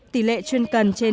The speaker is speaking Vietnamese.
tỷ lệ chuyên cần trên chín mươi